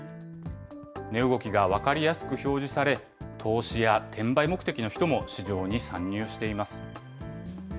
値動きが分かりやすく表示され、投資や転売目的の人も市場に参入しています。